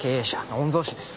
御曹司です。